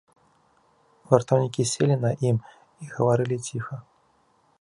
Вартаўнікі селі на ім і гаварылі ціха.